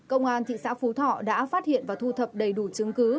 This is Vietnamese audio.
công an thị xã phú thọ đã phát hiện và thu thập đầy đủ chứng cứ